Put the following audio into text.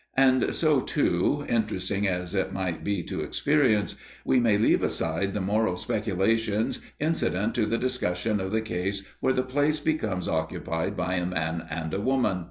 And so, too, interesting as it might be to experience, we may leave aside the moral speculations incident to the discussion of the case where the place becomes occupied by a man and a woman.